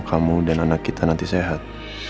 kamu dan anak kita nanti sehat